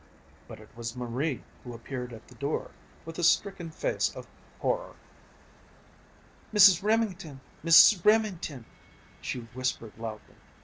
But it was Marie who appeared at the door, with a stricken face of horror. "Mrs. Remington! Mrs. Remington!" she whispered loudly.